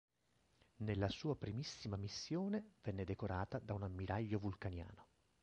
Nella sua primissima missione venne decorata da un ammiraglio vulcaniano.